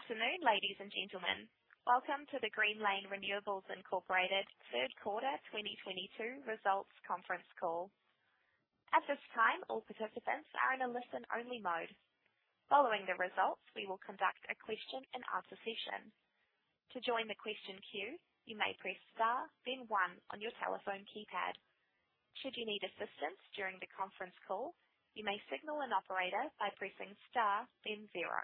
Afternoon, ladies and gentlemen. Welcome to the Greenlane Renewables Inc. third quarter 2022 results conference call. At this time, all participants are in a listen-only mode. Following the results, we will conduct a question and answer session. To join the question queue, you may press star then one on your telephone keypad. Should you need assistance during the conference call, you may signal an operator by pressing star then zero.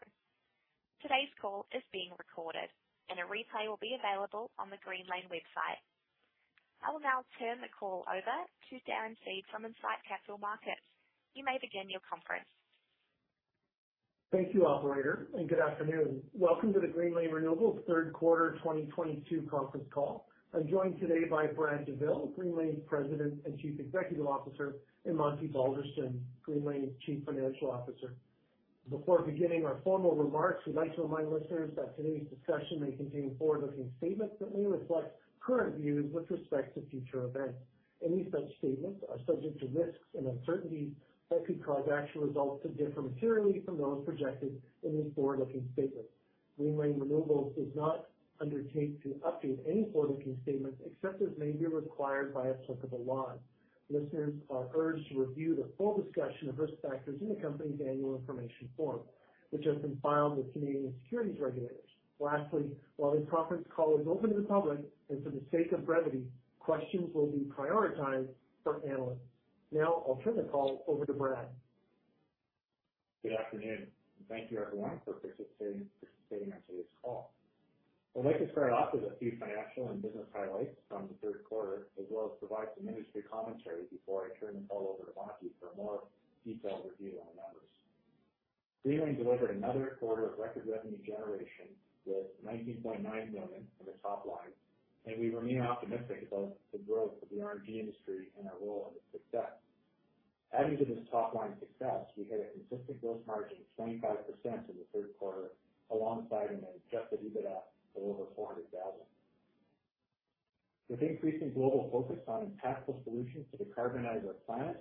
Today's call is being recorded and a replay will be available on the Greenlane website. I will now turn the call over to Darren Seed from Incite Capital Markets. You may begin your conference. Thank you, operator, and good afternoon. Welcome to the Greenlane Renewables third quarter 2022 conference call. I'm joined today by Brad Douville, Greenlane's President and Chief Executive Officer, and Monty Balderston, Greenlane's Chief Financial Officer. Before beginning our formal remarks, we'd like to remind listeners that today's discussion may contain forward-looking statements that may reflect current views with respect to future events. Any such statements are subject to risks and uncertainties that could cause actual results to differ materially from those projected in these forward-looking statements. Greenlane Renewables does not undertake to update any forward-looking statements except as may be required by applicable law. Listeners are urged to review the full discussion of risk factors in the company's annual information form, which has been filed with Canadian securities regulators. Lastly, while this conference call is open to the public, and for the sake of brevity, questions will be prioritized for analysts. Now I'll turn the call over to Brad. Good afternoon, and thank you, everyone, for participating on today's call. I'd like to start off with a few financial and business highlights from the third quarter, as well as provide some industry commentary before I turn the call over to Monty for a more detailed review on the numbers. Greenlane delivered another quarter of record revenue generation with 19.9 million in the top line, and we remain optimistic about the growth of the RNG industry and our role in its success. Adding to this top-line success, we hit a consistent gross margin of 25% in the third quarter, alongside an Adjusted EBITDA of over 400,000. With increasing global focus on impactful solutions to decarbonize our planet,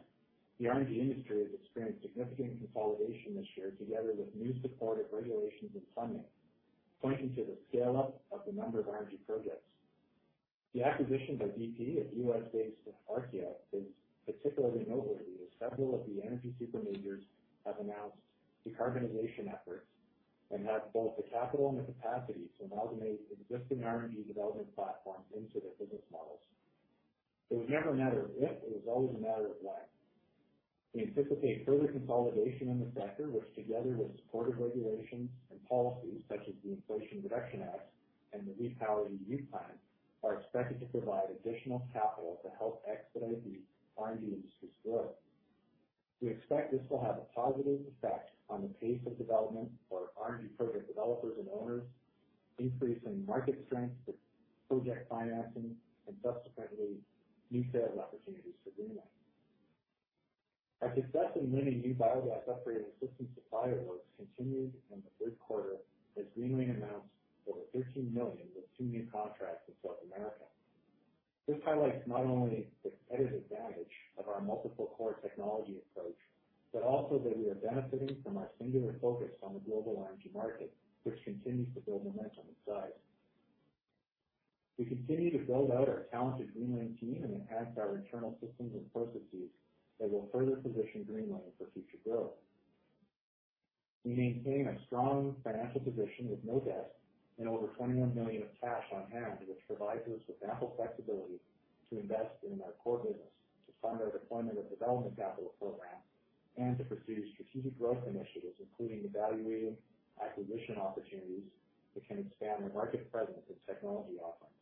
the RNG industry has experienced significant consolidation this year, together with new supportive regulations and funding, pointing to the scale-up of the number of RNG projects. The acquisition by bp of U.S. based Archaea is particularly noteworthy, as several of the energy super majors have announced decarbonization efforts and have both the capital and the capacity to amalgamate existing RNG development platforms into their business models. It was never a matter of if, it was always a matter of when. We anticipate further consolidation in the sector, which together with supportive regulations and policies such as the Inflation Reduction Act and the REPowerEU Plan, are expected to provide additional capital to help expedite the RNG industry's growth. We expect this will have a positive effect on the pace of development for RNG project developers and owners, increasing market strength for project financing, and subsequently new sales opportunities for Greenlane. Our success in winning new biogas-upgrading system supplier bookings continued in the third quarter as Greenlane announced over 13 million with 2 new contracts in South America. This highlights not only the competitive advantage of our multiple core technology approach, but also that we are benefiting from our singular focus on the global RNG market, which continues to build momentum in size. We continue to build out our talented Greenlane team and enhance our internal systems and processes that will further position Greenlane for future growth. We maintain a strong financial position with no debt and over 21 million of cash on hand, which provides us with ample flexibility to invest in our core business, to fund our deployment of development capital programs, and to pursue strategic growth initiatives, including evaluating acquisition opportunities that can expand our market presence and technology offerings.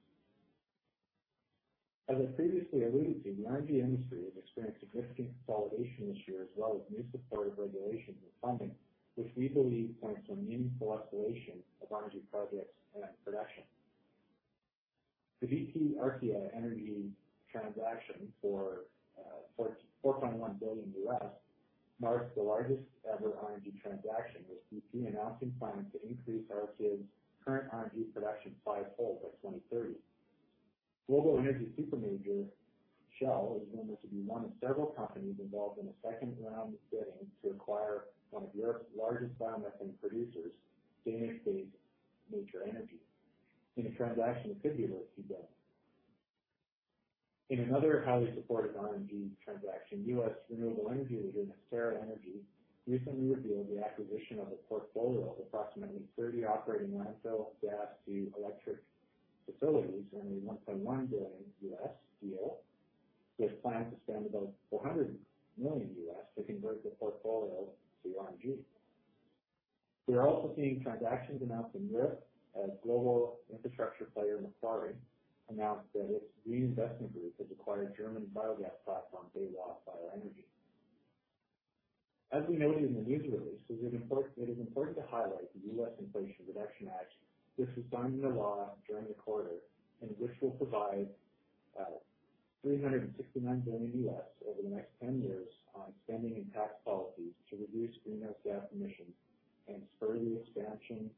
As I previously alluded to, the RNG industry has experienced significant consolidation this year, as well as new supportive regulations and funding, which we believe points to an increase in acceleration of RNG projects and production. The bp Archaea Energy transaction for $4.1 billion marks the largest ever RNG transaction, with bp announcing plans to increase Archaea's current RNG production fivefold by 2030. Global energy super major Shell is rumored to be one of several companies involved in a second-round bidding to acquire one of Europe's largest biomethane producers, Danish-based Nature Energy, in a transaction that could be worth 2 billion. In another highly supported RNG transaction, U.S. renewable energy leader, Terra-Gen, recently revealed the acquisition of a portfolio of approximately 30 operating landfill gas to electric facilities in a $1.1 billion deal, with plans to spend about $400 million to convert the portfolio to RNG. We are also seeing transactions announced in Europe, as global infrastructure player Macquarie announced that its reinvestment group has acquired German biogas platform BEW AG Bioenergie. As we noted in the news releases, it is important to highlight the U.S. Inflation Reduction Act, which was signed into law during the quarter and which will provide $369 billion over the next 10 years on spending and tax policies to reduce greenhouse gas emissions and spur the expansion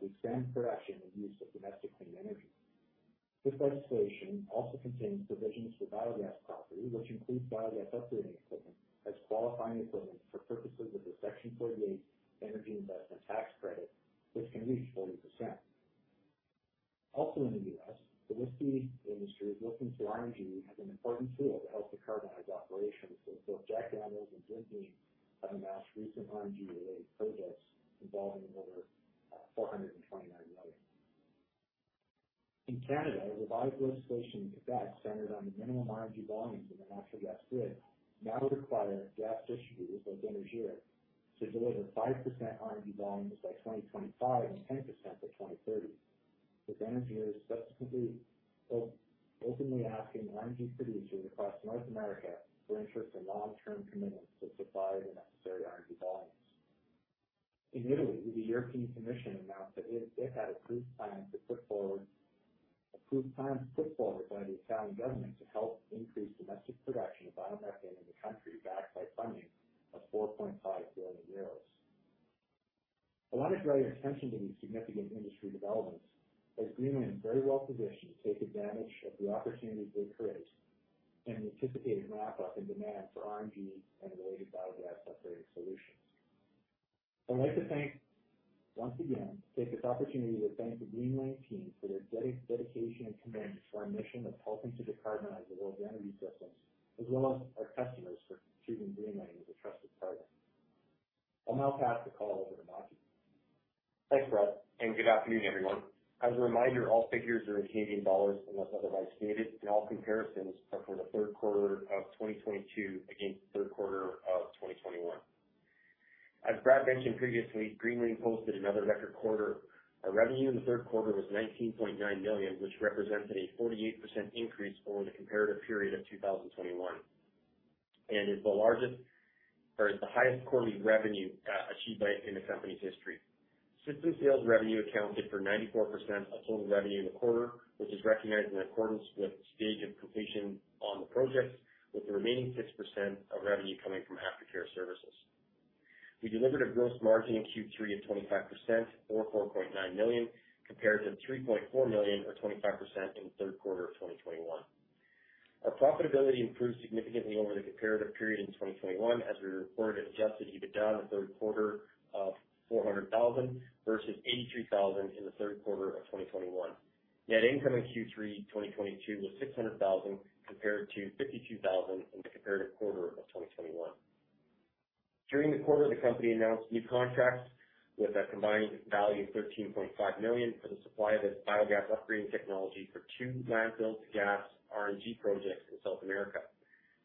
to expand production and use of domestic clean energy. This legislation also contains provisions for biogas property, which includes biogas upgrading equipment as qualifying equipment for purposes of the Section 48 Energy Investment Tax Credit, which can reach 40%. Also in the U.S., the whiskey industry is looking to RNG as an important tool to help decarbonize operations, with both Jack Daniel's and Jim Beam having announced recent RNG-related projects involving over $429 million. In Canada, a revised legislation in Quebec centered on the minimum RNG volumes in the natural gas grid now require gas distributors like Énergir to deliver 5% RNG volumes by 2025 and 10% by 2030, with Énergir subsequently openly asking RNG producers across North America for interest in long-term commitments to supply the necessary RNG volumes. In Italy, the European Commission announced that it had approved plans put forward by the Italian government to help increase domestic production of biomethane in the country, backed by funding of 4.5 billion euros. I want to draw your attention to these significant industry developments as Greenlane is very well positioned to take advantage of the opportunities they create and the anticipated ramp up in demand for RNG and related biogas upgrading solutions take this opportunity to thank the Greenlane team for their dedication and commitment to our mission of helping to decarbonize the world's energy systems, as well as our customers for choosing Greenlane as a trusted partner. I'll now pass the call over to Monty. Thanks, Brad, and good afternoon, everyone. As a reminder, all figures are in Canadian dollars unless otherwise stated, and all comparisons are for the third quarter of 2022 against the third quarter of 2021. As Brad mentioned previously, Greenlane posted another record quarter. Our revenue in the third quarter was 19.9 million, which represents a 48% increase over the comparative period of 2021, and is the largest or is the highest quarterly revenue achieved by, in the company's history. System sales revenue accounted for 94% of total revenue in the quarter, which is recognized in accordance with stage of completion on the projects, with the remaining 6% of revenue coming from aftercare services. We delivered a gross margin in Q3 of 25% or 4.9 million, compared to 3.4 million or 25% in the third quarter of 2021. Our profitability improved significantly over the comparative period in 2021, as we reported Adjusted EBITDA in the third quarter of 400,000 versus 82,000 in the third quarter of 2021. Net income in Q3 2022 was 600,000 compared to 52,000 in the comparative quarter of 2021. During the quarter, the company announced new contracts with a combined value of 13.5 million for the supply of its biogas upgrading technology for two landfill gas RNG projects in South America.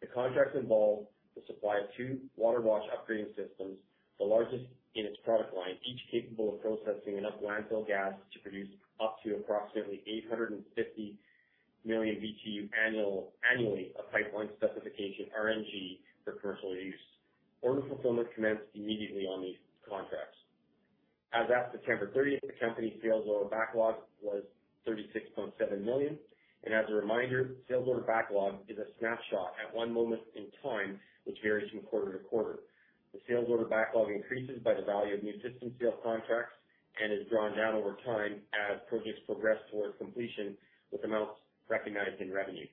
The contracts involve the supply of two Waterwash upgrading systems, the largest in its product line, each capable of processing enough landfill gas to produce up to approximately 850 million BTU annually of pipeline specification RNG for commercial use. Order fulfillment commenced immediately on these contracts. As at September thirtieth, the company's sales order backlog was 36.7 million. As a reminder, sales order backlog is a snapshot at one moment in time, which varies from quarter to quarter. The sales order backlog increases by the value of new system sales contracts and is drawn down over time as projects progress towards completion with amounts recognized in revenue.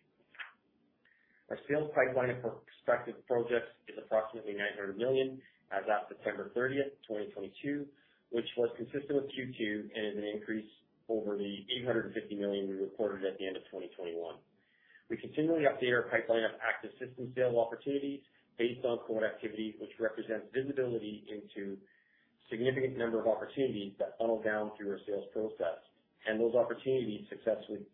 Our sales pipeline of prospective projects is approximately 900 million as at September 30, 2022, which was consistent with Q2 and is an increase over the 850 million we reported at the end of 2021. We continually update our pipeline of active system sale opportunities based on quote activity, which represents visibility into a significant number of opportunities that funnel down through our sales process. Those opportunities successfully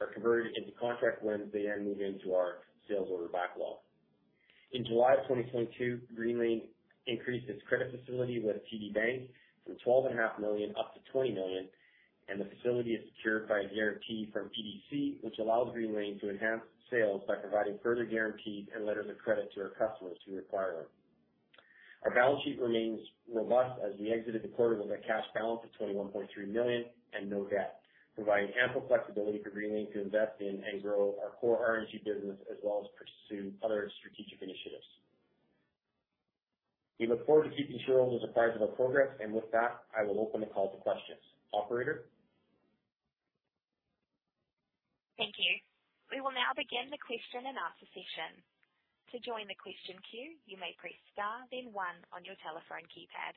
are converted into contract wins. They then move into our sales order backlog. In July 2022, Greenlane increased its credit facility with TD Bank from 12.5 million up to 20 million, and the facility is secured by a guarantee from BDC, which allows Greenlane to enhance sales by providing further guarantees and letters of credit to our customers who require them. Our balance sheet remains robust as we exited the quarter with a cash balance of 21.3 million and no debt, providing ample flexibility for Greenlane to invest in and grow our core RNG business as well as pursue other strategic initiatives. We look forward to keeping shareholders apprised of our progress. With that, I will open the call to questions. Operator? Thank you. We will now begin the question and answer session. To join the question queue, you may press star then one on your telephone keypad.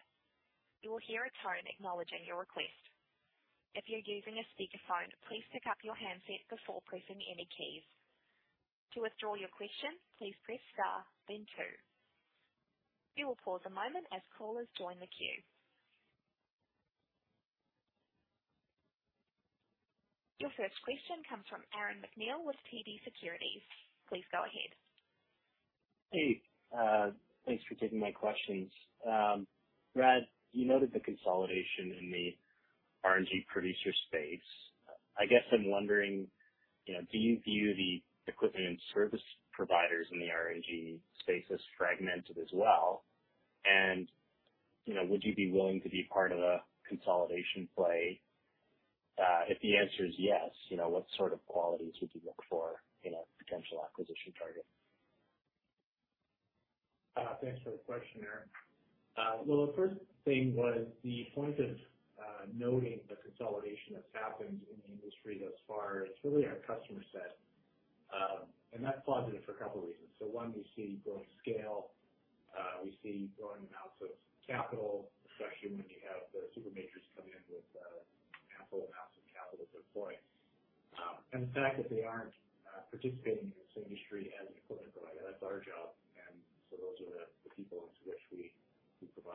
You will hear a tone acknowledging your request. If you're using a speakerphone, please pick up your handset before pressing any keys. To withdraw your question, please press star then two. We will pause a moment as callers join the queue. Your first question comes from Aaron MacNeil with TD Cowen. Please go ahead. Hey, thanks for taking my questions. Brad, you noted the consolidation in the RNG producer space. I guess I'm wondering, you know, do you view the equipment and service providers in the RNG space as fragmented as well? you know, would you be willing to be part of a consolidation play? If the answer is yes, you know, what sort of qualities would you look for in a potential acquisition target? Thanks for the question, Aaron. Well, the first thing was the point of noting the consolidation that's happened in the industry thus far is really our customer set. That's positive for a couple reasons. One, we see growing scale, we see growing amounts of capital, especially when you have the super majors coming in with ample amounts of capital to deploy. The fact that they aren't participating in this industry as an equipment provider, that's our job. Those are the people to which we provide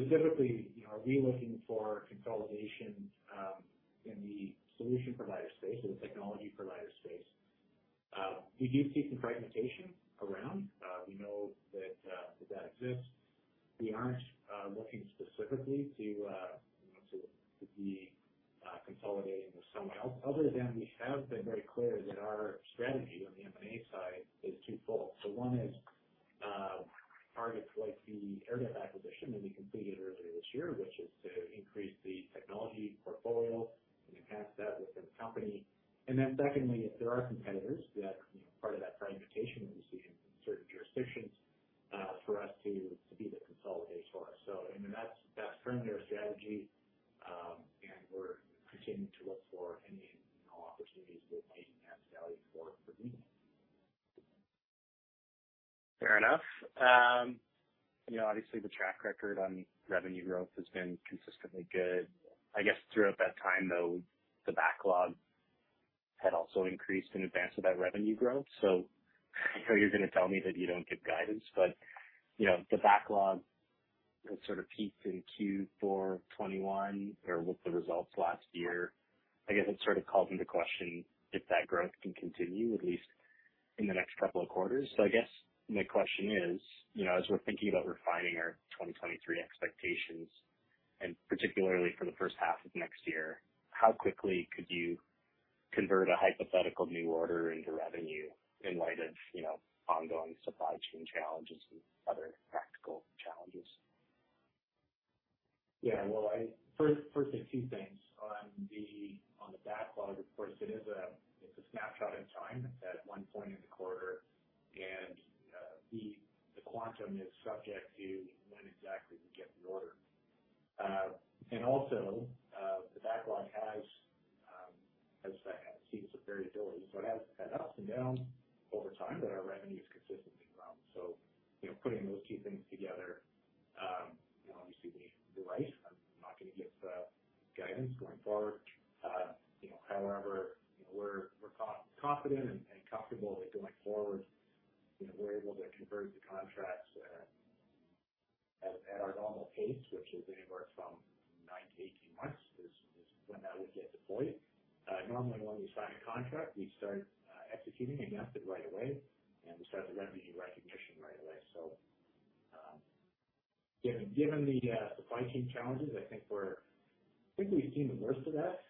capital. Sorry, equipment. Specifically, you know, are we looking for consolidation in the solution provider space or the technology provider space? We do see some fragmentation around. We know that that exists. We aren't looking specifically to my question is, you know, as we're thinking about refining our 2023 expectations, and particularly for the first half of next year, how quickly could you convert a hypothetical new order into revenue in light of, you know, ongoing supply chain challenges and other practical challenges? Yeah. Well, first, two things. On the backlog, of course, it's a snapshot in time at one point in the quarter. The quantum is subject to when exactly we get the order. The backlog has seen some variability. It has been up and down over time, but our revenue is consistently growing. You know, putting those two things together, you know, obviously you're right. I'm not gonna give guidance going forward. You know, however, you know, we're confident and comfortable that going forward, you know, we're able to convert the contracts at our normal pace, which is anywhere from nine to 18 months, which is when that would get deployed. Normally when we sign a contract, we start executing and mobilizing right away, and we start the revenue recognition right away. Given the supply chain challenges, I think we've seen the worst of that.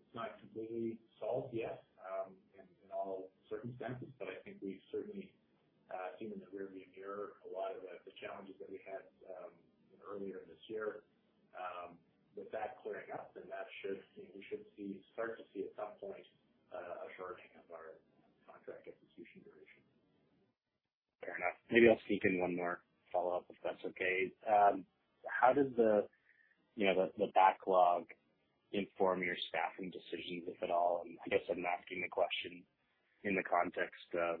It's not completely solved yet, in all circumstances, but I think we've certainly seen in the rearview mirror a lot of the challenges that we had, you know, earlier this year. With that clearing up then that should, you know, we should start to see at some point a shortening of our contract execution duration. Fair enough. Maybe I'll sneak in one more follow-up, if that's okay. How does you know, the backlog inform your staffing decisions, if at all? I guess I'm asking the question in the context of,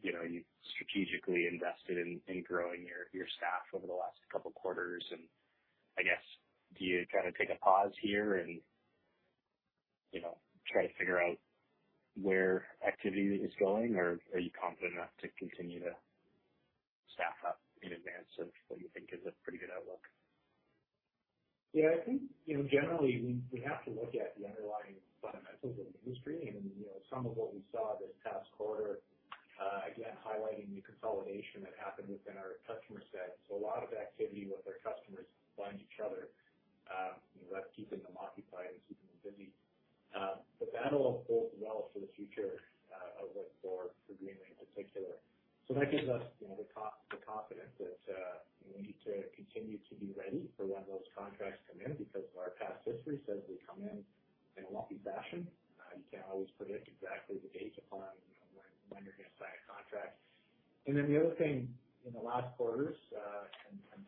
you know, you strategically invested in growing your staff over the last couple quarters, and I guess, do you kind of take a pause here and, you know, try to figure out where activity is going? Are you confident enough to continue to staff up in advance of what you think is a pretty good outlook? Yeah, I think, you know, generally we have to look at the underlying fundamentals of the industry. You know, some of what we saw this past quarter again highlighting the consolidation that happened within our customer set. A lot of activity with our customers buying each other, you know, that's keeping them occupied and keeping them busy. That'll all bode well for the future outlook for Greenlane in particular. That gives us, you know, the confidence that, you know, we need to continue to be ready for when those contracts come in because our past history says they come in in a lumpy fashion. You can't always predict exactly the date upon, you know, when you're gonna sign a contract. The other thing in the last quarters,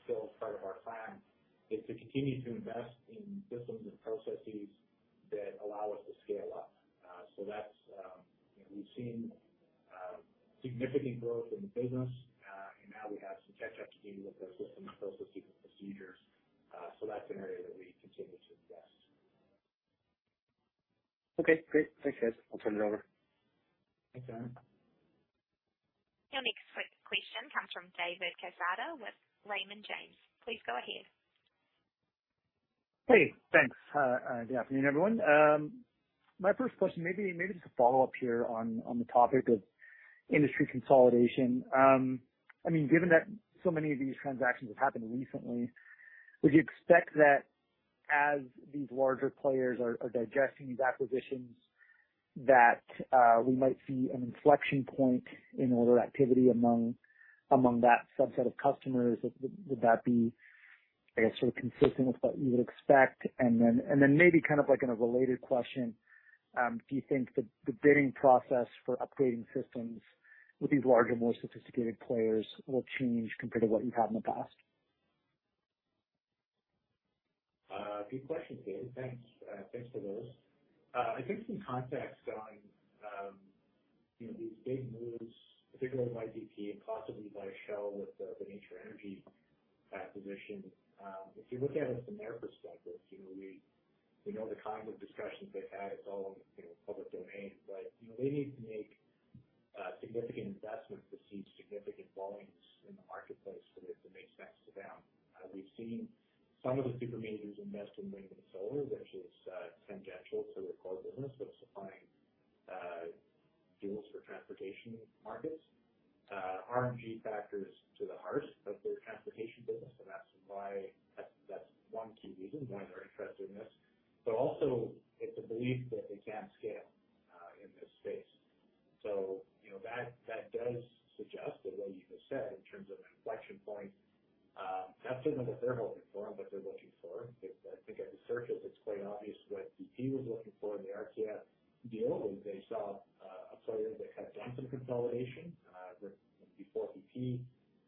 still as part of our plan is to continue to invest in systems and processes that allow us to scale up. That's, you know, we've seen significant growth in the business, and now we have some catch-up to do with our systems and processes and procedures. That's an area that we continue to invest. Okay, great. Thanks, guys. I'll turn it over. Thanks, Aaron. Your next question comes from David Quezada with Raymond James. Please go ahead. Hey, thanks. Good afternoon, everyone. My first question, maybe just a follow-up here on the topic of industry consolidation. I mean, given that so many of these transactions have happened recently, would you expect that as these larger players are digesting these acquisitions that we might see an inflection point in order activity among that subset of customers? Would that be? I guess sort of consistent with what you would expect. Then maybe kind of like in a related question, do you think the bidding process for upgrading systems with these larger, more sophisticated players will change compared to what you've had in the past? Good question, David. Thanks. Thanks for those. I think some context on, you know, these big moves, particularly by BP and possibly by Shell with the Nature Energy acquisition. If you look at it from their perspective, you know, we know the kinds of discussions they've had. It's all, you know, public domain. They need to make significant investments to see significant volumes in the marketplace for it to make sense to them. We've seen some of the super majors invest in wind and solar, which is tangential to their core business of supplying fuels for transportation markets. RNG factors to the heart of their transportation business, so that's why. That's one key reason why they're interested in this. Also it's a belief that they can't scale in this space. You know, that does suggest the way you just said in terms of inflection point. That's certainly what they're hoping for and what they're looking for. If I think at the surface, it's quite obvious what bp was looking for in the Archaea deal, they saw a player that had done some consolidation. Before bp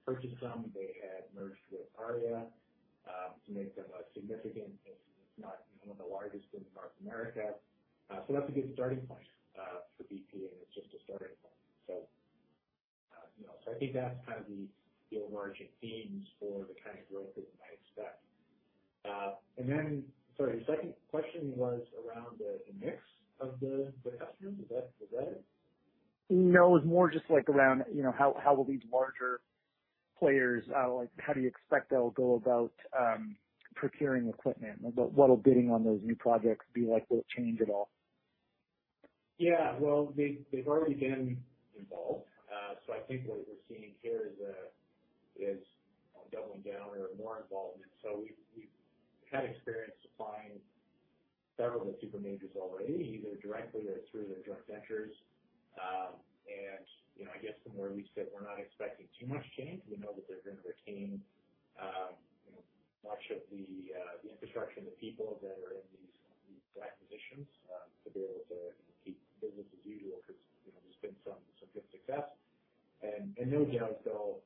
purchased them, they had merged with Aria to make them a significant, if not one of the largest in North America. That's a good starting point for bp, and it's just a starting point. You know, I think that's kind of the overarching themes for the kind of growth that we might expect. Sorry, the second question was around the mix of the customers. Was that it? No. It was more just like around, you know, how will these larger players, like how do you expect they'll go about procuring equipment? What will bidding on those new projects be like? Will it change at all? Well, they've already been involved. So I think what we're seeing here is doubling down or more involvement. So we've had experience supplying several of the super majors already, either directly or through their joint ventures. And, you know, I guess from where we sit, we're not expecting too much change. We know that they're gonna retain, you know, much of the infrastructure and the people that are in these acquisitions, to be able to keep business as usual 'cause, you know, there's been some good success. No doubt they'll how should I say this?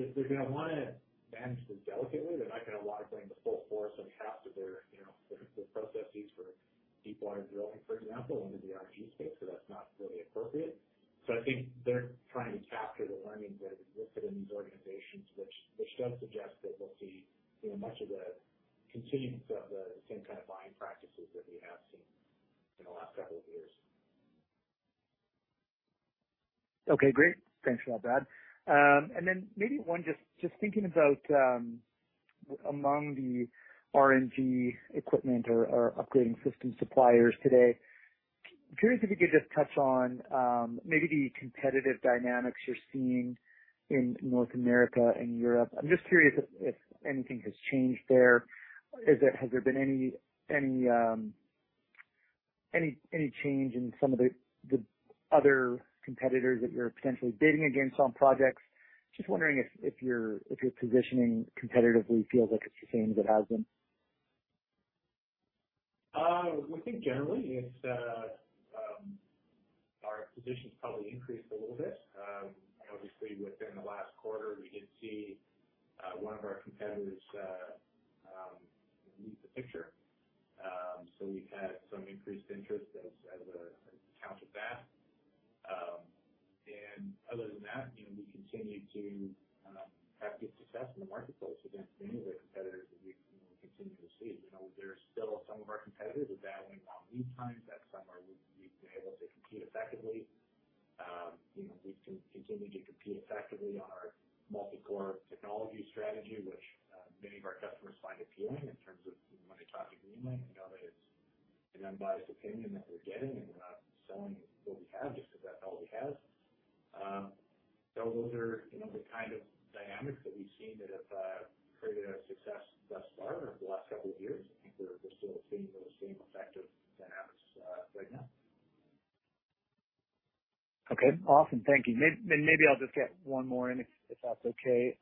If they're gonna wanna manage this delicately, they're not gonna wanna bring the full force and heft of their, you know, the processes for deep water drilling, for example, into the RNG space, so that's not really appropriate. I think they're trying to capture the learnings that existed in these organizations which does suggest that we'll see, you know, much of the continuance of the same kind of buying practices that we have seen in the last couple of years. Okay, great. Thanks for that, Brad. Maybe one just thinking about among the RNG equipment or upgrading system suppliers today. Curious if you could just touch on maybe the competitive dynamics you're seeing in North America and Europe. I'm just curious if anything has changed there. Has there been any change in some of the other competitors that you're potentially bidding against on projects? Just wondering if your positioning competitively feels like it's the same as it has been. We think generally it's our position's probably increased a little bit. Obviously within the last quarter we did see one of our competitors leave the picture. We've had some increased interest on account of that. Other than that, you know, we continue to have good success in the marketplace against many of the competitors that we, you know, continue to see. You know, there's still some of our competitors with their long lead times. We've been able to compete effectively. You know, we continue to compete effectively on our multi-core technology strategy, which many of our customers find appealing in terms of when they talk to Greenlane. We know that it's an unbiased opinion that they're getting, and we're not selling what we have just 'cause that's all we have. Those are, you know, the kind of dynamics that we've seen that have created our success thus far over the last couple of years. I think we're still seeing those same effective dynamics right now. Okay, awesome. Thank you. Maybe I'll just get one more in if that's okay.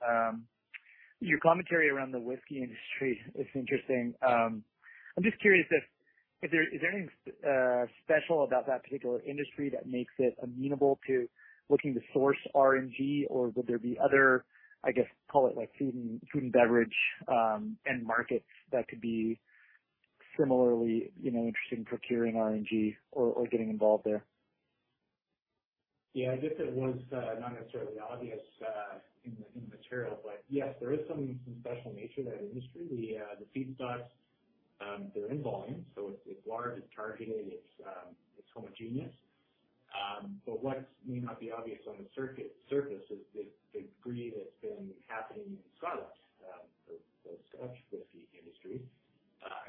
Your commentary around the whiskey industry is interesting. I'm just curious if there is anything special about that particular industry that makes it amenable to looking to source RNG. Or would there be other, I guess, call it like food and beverage end markets that could be similarly, you know, interested in procuring RNG or getting involved there? Yeah, I guess it was not necessarily obvious in the material, but yes, there is some special nature to that industry. The feedstocks, they're in volume, so it's large, it's targeted, it's homogeneous. What may not be obvious on the surface is the degree that's been happening in Scotland, the Scotch whiskey industry.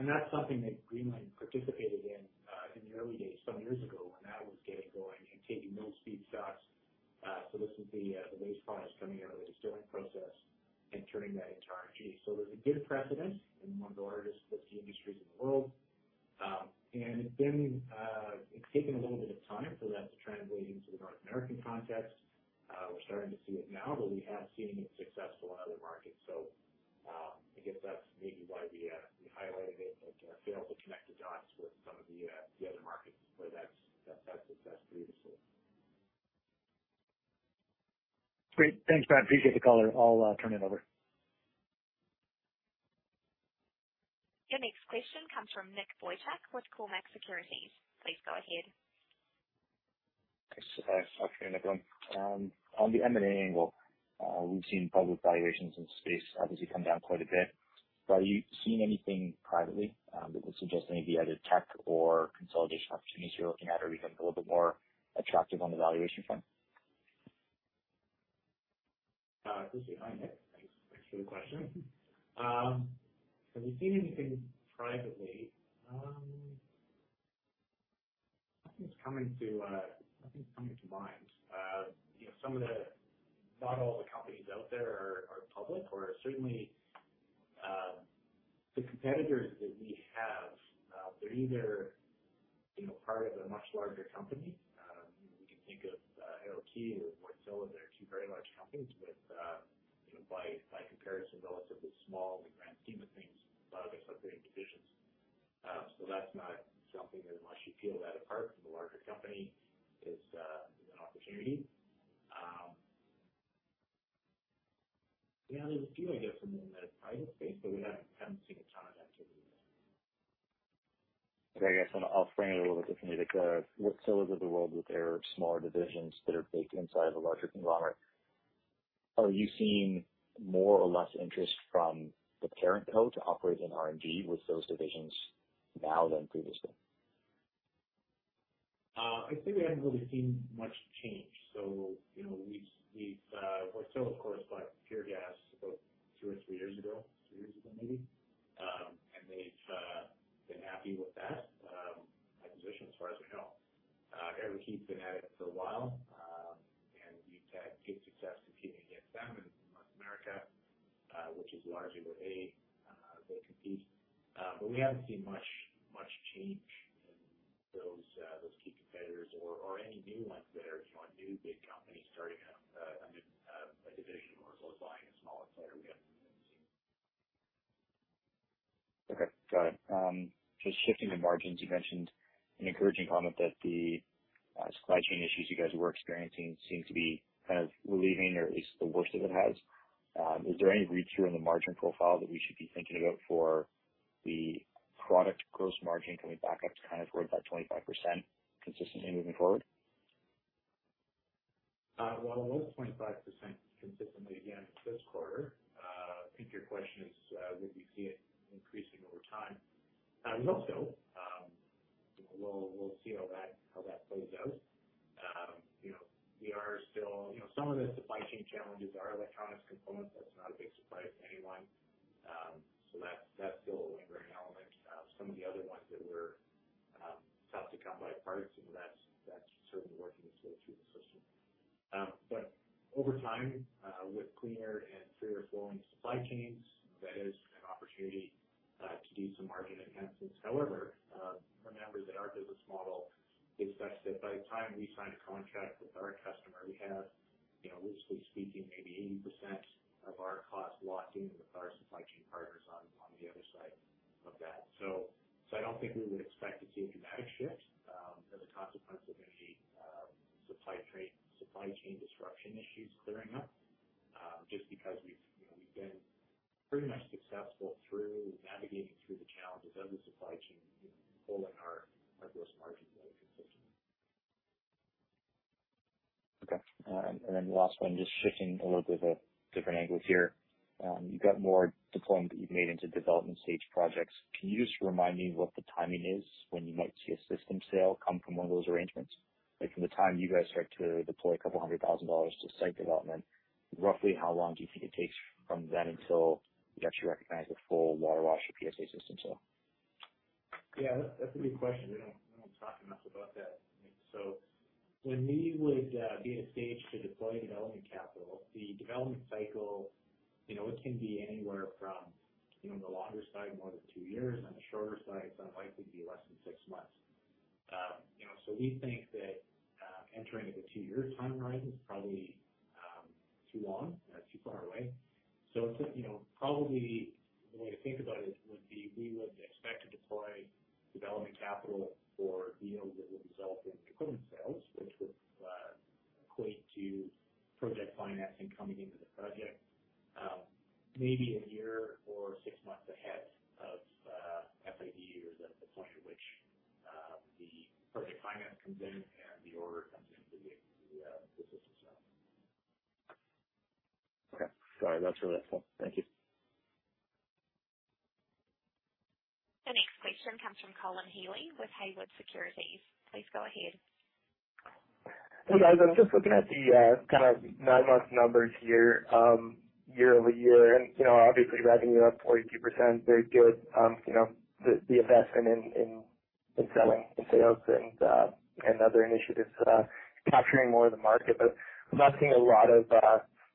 That's something that Greenlane participated in in the early days, some years ago when that was getting going and taking those feedstocks. This is the waste products coming out of the distilling process and turning that into RNG. There's a good Thanks for the question. Have we seen anything privately? Nothing's coming to mind. You know, some of the not all the companies out there are public, or certainly the competitors that we have, they're either you know part of a much larger company. You know, we can think of Air Liquide or Wärtsilä. They're two very large companies with you know by comparison relatively small in the grand scheme of things. A lot of us are creating divisions. That's not something unless you peel that apart from the larger company is an opportunity. Yeah, there's a few I guess in the private space, but we haven't seen a ton of activity there. Okay. I guess I'll frame it a little bit differently. The Wärtsilä of the world with their smaller divisions that are baked inside of a larger conglomerate, are you seeing more or less interest from the parent co to operate in RNG with those divisions now than previously? I'd say we haven't really seen much change. You know, we've Wärtsilä, of course, bought Puregas Solutions about two or three years ago, three years ago maybe. They've been happy with that acquisition as far as I know. Air Liquide's been at it for a while, and we've had good success competing against them in North America, which is largely where they compete. But we haven't seen much change in those key competitors or any new ones there. If you want new big companies starting up, a new division or buying a smaller player, we haven't really seen. Okay. Got it. Just shifting to margins, you mentioned an encouraging comment that the supply chain issues you guys were experiencing seem to be kind of relieving or at least the worst of it has. Is there any read-through in the margin profile that we should be thinking about for the product gross margin coming back up to kind of towards that 25% consistently moving forward? While it was 25% consistently again this quarter, I think your question is, would we see it increasing over time? I hope so. We'll see how that plays out. You know, some of the supply chain challenges are electronics components. That's not a big surprise to anyone. So that's still a lingering element. Some of the other ones that were tough to come by parts, you know, that's certainly working its way through the system. Over time, with cleaner and freer flowing supply chains, that is an opportunity to do some margin enhancements. However, remember that our business model is such that by the time we sign a contract with our customer, we have, you know, loosely speaking, maybe 80% of our costs locked in with our supply chain partners on the other side of that. So I don't think we would expect to see a dramatic shift, as a consequence of any supply chain disruption issues clearing up, just because we've, you know, we've been pretty much successful through navigating through the challenges of the supply chain, you know, pulling our gross margins out consistently. Okay. The last one, just shifting a little bit of a different angle here. You've got more deployment that you've made into development stage projects. Can you just remind me what the timing is when you might see a system sale come from one of those arrangements? Like, from the time you guys start to deploy 200,000 dollars to site development, roughly how long do you think it takes from then until you actually recognize a full Waterwash or PSA system sale? Yeah, that's a good question. We don't talk enough about that. When we would be in a stage to deploy development capital, the development cycle, you know, it can be anywhere from, you know, on the longer side, more than two years. On the shorter side, it's unlikely to be less than six months. You know, we think that entering the two-year timeline is probably too long, too far away. It's, you know, probably the way to think about it would be we would expect to deploy development capital for deals that would result in equipment sales, which would equate to project financing coming into the project, maybe a year or six months ahead of FID or the point at which the project finance comes in and the order comes in for the system sale. Okay. Got it. That's really helpful. Thank you. The next question comes from Colin Healey with Haywood Securities. Please go ahead. Hey, guys. Hi, Colin. I'm just looking at the kind of nine-month numbers here, year-over-year. You know, obviously revenue up 42%, very good. You know, the investment in In selling and sales and other initiatives, capturing more of the market. I'm not seeing a lot of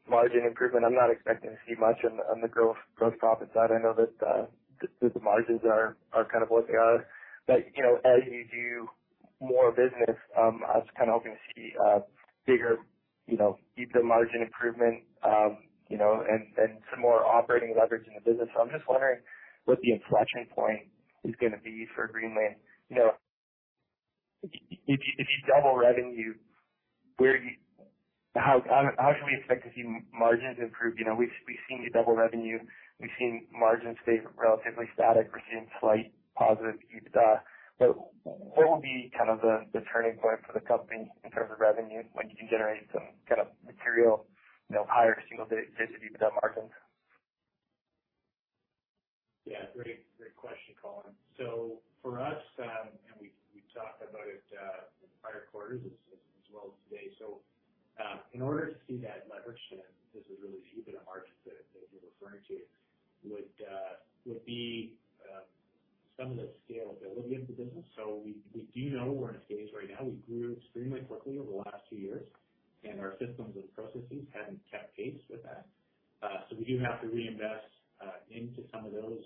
margin improvement. I'm not expecting to see much on the growth profit side. I know that the margins are kind of what they are. You know, as you do more business, I was kind of hoping to see bigger you know, EBITDA margin improvement, you know, and some more operating leverage in the business. I'm just wondering what the inflection point is gonna be for Greenlane. You know, if you double revenue, where do you. How should we expect to see margins improve? You know, we've seen you double revenue, we've seen margins stay relatively static. We've seen slight positive EBITDA. What will be kind of the turning point for the company in terms of revenue when you can generate some kind of material, you know, higher single digits EBITDA margins? Yeah, great. Great question, Colin. For us, and we talked about it in prior quarters as well as today. In order to see that leverage, and this is really EBITDA margins that you're referring to, would be some of the scalability of the business. We do know we're in a phase right now. We grew extremely quickly over the last two years, and our systems and processes haven't kept pace with that. We do have to reinvest into some of those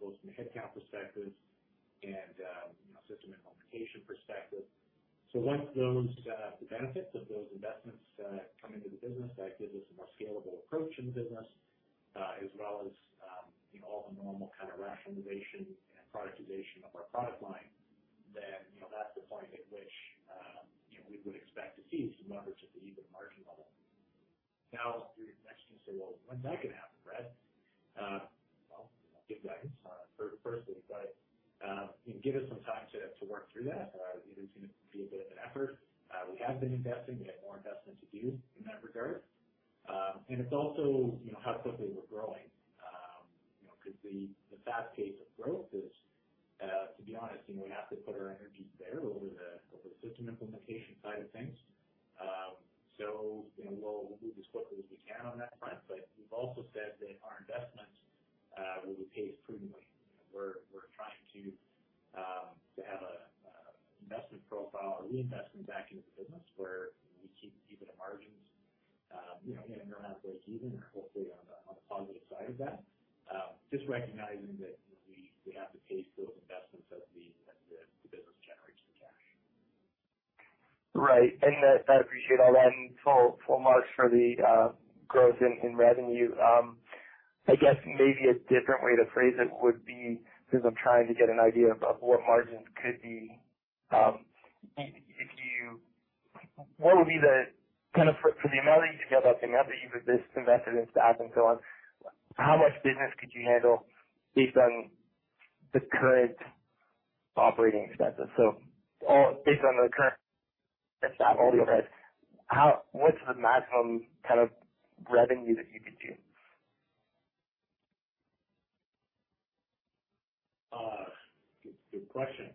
both from a headcount perspective and you know, system implementation perspective. Once the benefits of those investments come into the business, that gives us a more scalable approach in the business, as well as, you know, all the normal kind of rationalization and productization of our product line. You know, that's the point at which, you know, we would expect to see some leverage at the EBITDA margin level. Now, your next thing, you say, "Well, when's that gonna happen, Brad?" Well, I'll give guidance, firstly, but give us some time to work through that. You know, it's gonna be a bit of an effort. We have been investing. We have more investment to do in that regard. And it's also, you know, how quickly we're growing. You know, because the fast pace of growth is, to be honest, you know, we have to put our energies there over the system implementation side of things. You know, we'll move as quickly as we can on that front, but we've also said that our investments will be paced prudently. You know, we're trying to have an investment profile or reinvestment back into the business where we keep EBITDA margins, you know, anywhere around break even or hopefully on the positive side of that. Just recognizing that, you know, we have to pace those investments as the business generates the cash. Right. I appreciate all that and full marks for the growth in revenue. I guess maybe a different way to phrase it would be, because I'm trying to get an idea of what margins could be, if you, what would be the kind of for the amount that you can build up, the amount that you've invested in staff and so on, how much business could you handle based on the current operating expenses? So all based on the current staff that you have. What's the maximum kind of revenue that you could do? Good question.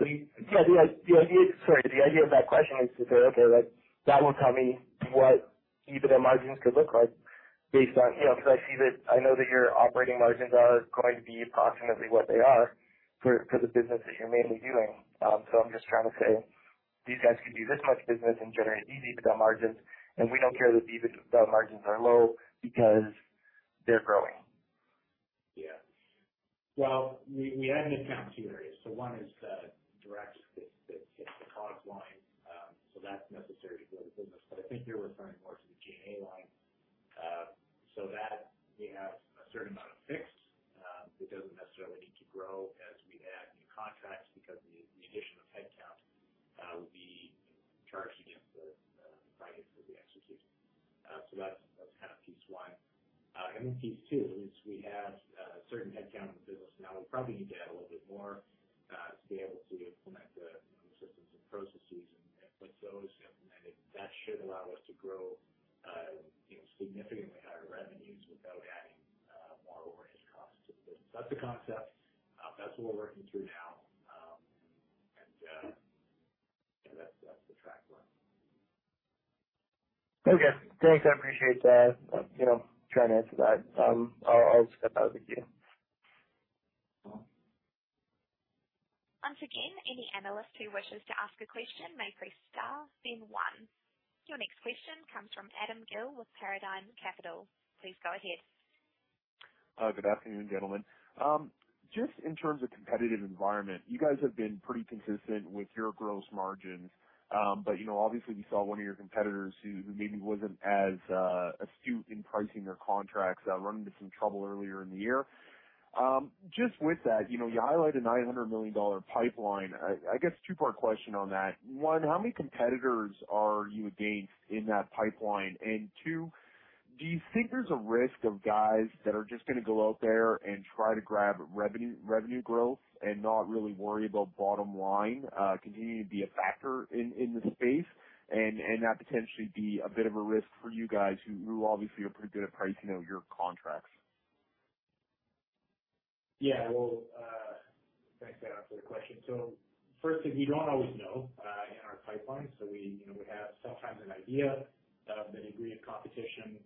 The idea of that question is to say, okay, like that will tell me what EBITDA margins could look like based on, you know, 'cause I see that I know that your operating margins are going to be approximately what they are for the business that you're mainly doing. I'm just trying to say these guys could do this much business and generate these EBITDA margins, and we don't care that EBITDA margins are low because they're growing. Yeah. Well, we had to account for two areas. One is direct that hits the COGS line. That's necessary to grow the business. I think you're referring more to the G&A line. That we have a certain amount of fixed that doesn't necessarily need to grow as we add new contracts because the addition of headcount would be charged against the projects that we execute. That's kind of piece one. And then piece two is we have certain headcount in the business now. We'll probably need to add a little bit more to be able to implement the, you know, systems and processes. With those implemented, that should allow us to grow, you know, significantly higher revenues without adding more overhead costs to the business. That's the concept. That's what we're working through now. You know, that's the track we're on. Okay. Thanks. I appreciate that. You know, trying to answer that. I'll step out of the queue. Once again, any analyst who wishes to ask a question may press star then one. Your next question comes from Adam Gill with Paradigm Capital. Please go ahead. Good afternoon, gentlemen. Just in terms of competitive environment, you guys have been pretty consistent with your gross margins. You know, obviously you saw one of your competitors who maybe wasn't as astute in pricing their contracts run into some trouble earlier in the year. Just with that, you know, you highlight a 900 million dollar pipeline. I guess two-part question on that. One, how many competitors are you against in that pipeline? And two, do you think there's a risk of guys that are just gonna go out there and try to grab revenue growth and not really worry about bottom line continuing to be a factor in the space and that potentially be a bit of a risk for you guys who obviously are pretty good at pricing out your contracts? Yeah. Well, thanks, Adam, for the question. Firstly, we don't always know in our pipeline. We, you know, we have sometimes an idea of the degree of competition.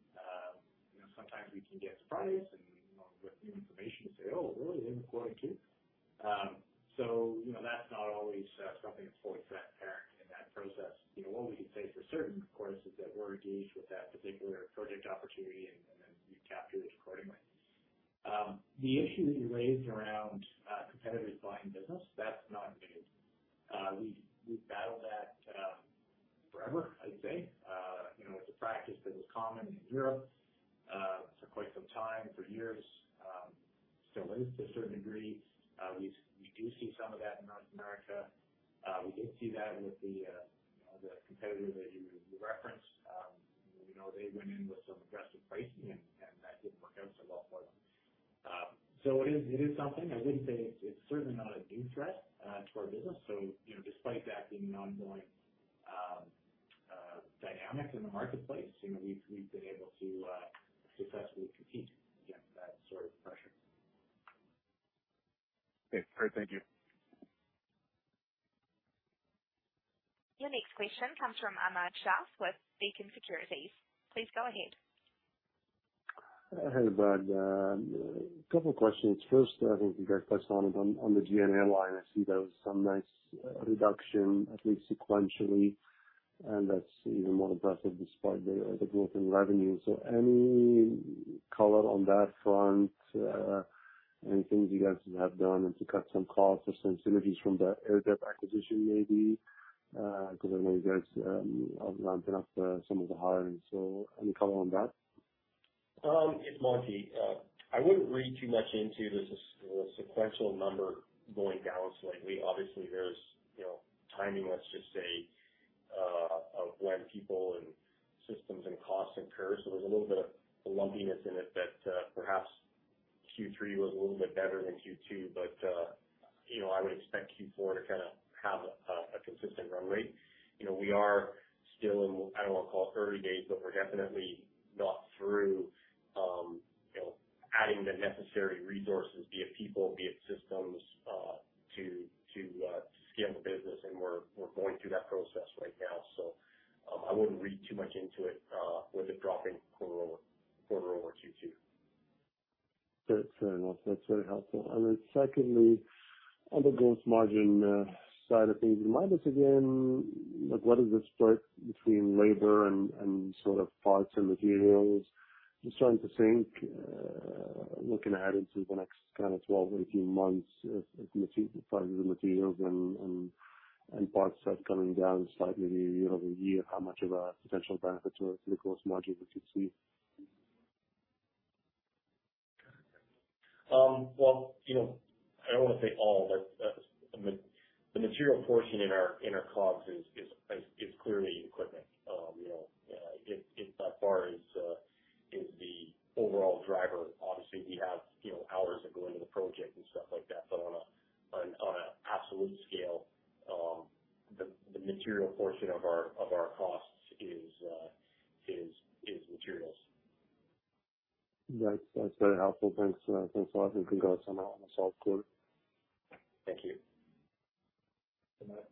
I wouldn't say it's certainly not a new threat to our business. You know, despite that being an ongoing dynamic in the marketplace, you know, we've been able to successfully compete against that sort of pressure. Okay, perfect. Thank you. Your next question comes from Ahmad Shaath with Beacon Securities. Please go ahead. Hey, Bud. A couple questions. First, I think you guys touched on it on the G&A line. I see there was some nice reduction, at least sequentially, and that's even more impressive despite the growth in revenue. So any color on that front? Anything you guys have done to cut some costs or synergies from the Airdep acquisition maybe? 'Cause I know you guys are ramping up some of the hiring. So any color on that? It's Monty. I wouldn't read too much into the sequential number going down slightly. Obviously there's, you know, timing, let's just say, of when people and systems and costs incur. There's a little bit of lumpiness in it that, perhaps Q3 was a little bit better than Q2. You know, I would expect Q4 to kinda have a consistent run rate. You know, we are still in, I don't wanna call it early days, but we're definitely not through, you know, adding the necessary resources, be it people, be it systems, to scale the business and we're going through that process right now. I wouldn't read too much into it with it dropping quarter over Q2. Fair enough. That's very helpful. Then secondly, on the gross margin side of things, remind us again, like, what is the split between labor and sort of parts and materials? I'm starting to think, looking ahead into the next kind of 12-18 months if parts and materials start coming down slightly year-over-year, how much of a potential benefit to the gross margin we could see. Well, you know, I don't wanna say all, but, I mean, the material portion in our costs is clearly equipment. You know, it by far is the overall driver. Obviously we have, you know, hours that go into the project and stuff like that, but on a absolute scale, the material portion of our costs is materials. That's very helpful. Thanks. Thanks a lot. We can go to someone on the sell-side. Thank you. Bud.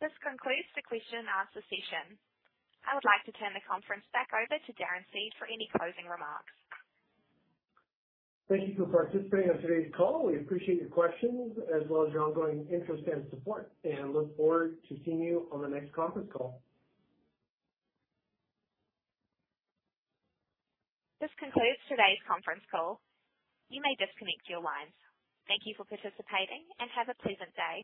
This concludes the question and answer session. I would like to turn the conference back over to Darren Seed for any closing remarks. Thank you for participating on today's call. We appreciate your questions as well as your ongoing interest and support, and look forward to seeing you on the next conference call. This concludes today's conference call. You may disconnect your lines. Thank you for participating, and have a pleasant day.